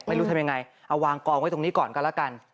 ไม่รู้ทำยังไงเอาวางกองไว้ตรงนี้ก่อนก็แล้วกัน